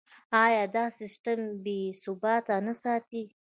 آیا دا سیستم بیې ثابت نه ساتي؟